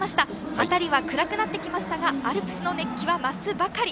辺りは暗くなってきましたがアルプスの熱気は増すばかり！